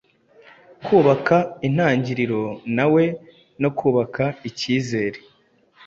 kubaka intangiriro nawe no kubaka ikizere